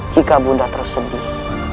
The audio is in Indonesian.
jika ibu nda terus sedih